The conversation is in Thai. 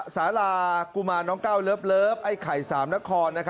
สารากุมารน้องก้าวเลิฟไอ้ไข่สามนคร